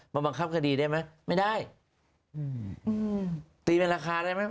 บังคับคดีได้ไหมไม่ได้อืมตีเป็นราคาได้ไหม